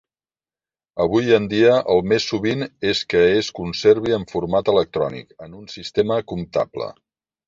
Avui en dia, el més sovint és que es conservi en format electrònic en un sistema comptable.